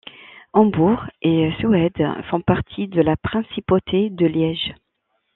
Embourg et Sauheid font partie de la Principauté de Liège.